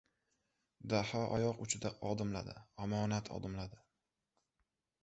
Daho oyoq uchida odimladi, omonat odimladi.